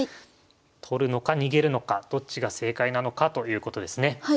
取るのか逃げるのかどっちが正解なのかということですね。